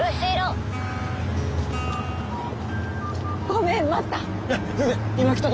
ごめん待った？